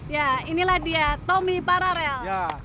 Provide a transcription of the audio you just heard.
ya inilah dia tommy pararel